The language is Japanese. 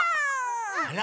あら。